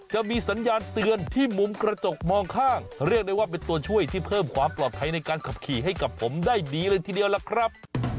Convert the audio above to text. จะมีสัญญาณเตือนที่มุมกระจกมองข้างเรียกได้ว่าเป็นตัวช่วยที่เพิ่มความปลอดภัยในการขับขี่ให้กับผมได้ดีเลยทีเดียวล่ะครับ